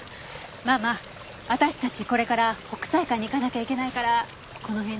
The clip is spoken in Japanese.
ママ私たちこれから北斎館に行かなきゃいけないからこの辺で。